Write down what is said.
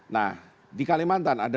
nah di kalimantan ada dua jenis tanah